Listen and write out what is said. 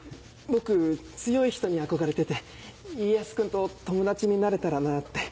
僕強い人に憧れてて家康君と友達になれたらなぁって。